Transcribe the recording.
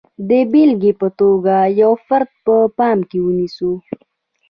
د بېلګې په توګه یو فرد په پام کې نیسو.